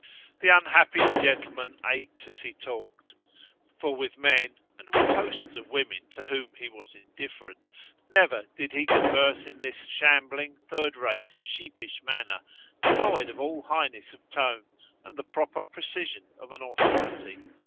The unhappy gentleman ached as he talked: for with men and with hosts of women to whom he was indifferent, never did he converse in this shambling, third rate, sheepish manner, devoid of all highness of tone and the proper precision of an authority.